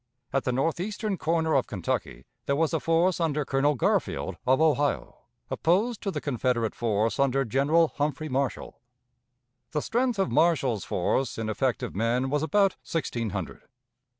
At the northeastern comer of Kentucky there was a force under Colonel Garfield, of Ohio, opposed to the Confederate force under General Humphrey Marshall. The strength of Marshall's force in effective men was about sixteen hundred.